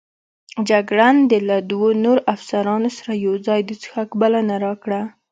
جګړن د له دوو نورو افسرانو سره یوځای د څښاک بلنه راکړه.